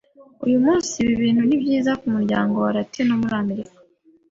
Uyu munsi, ibintu ni byiza kumuryango wa Latino muri Amerika.